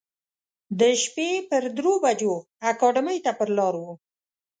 د شپې پر درو بجو اکاډمۍ ته پر لار و.